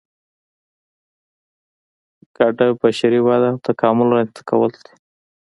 ګډه بشري وده او تکامل رامنځته کول دي.